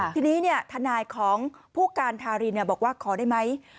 ทีนี้เนี่ยธนายของผู้การทารินเนี่ยบอกว่าขอได้ไหม